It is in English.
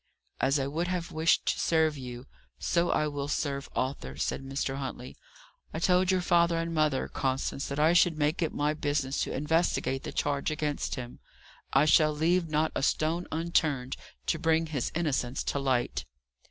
"As I would have wished to serve you, so will I serve Arthur," said Mr. Huntley. "I told your father and mother, Constance, that I should make it my business to investigate the charge against him; I shall leave not a stone unturned to bring his innocence to light."